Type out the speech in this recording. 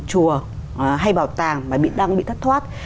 chùa hay bảo tàng mà đang bị thất thoát